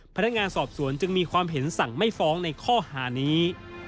พนักงานสอบสวนจึงมีความเห็นสั่งไม่ฟ้องในข้อหานี้